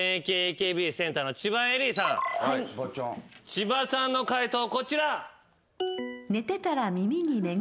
千葉さんの解答こちら。